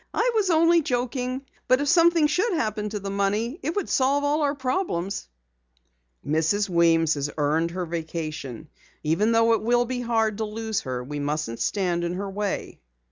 "I was only joking. But if something should happen to the money, it would solve all our problems." "Mrs. Weems has earned her vacation. Even though it will be hard to lose her, we mustn't stand in her way."